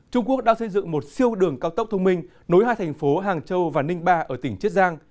trung quốc đang xây dựng một siêu đường cao tốc thông minh nối hai thành phố hàng châu và ninh ba ở tỉnh chiết giang